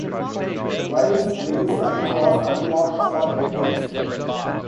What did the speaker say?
Wild's grave site was unmarked for decades.